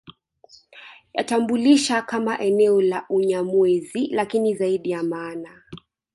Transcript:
Yatambulisha kama eneo la Unyamwezi lakini zaidi ya maana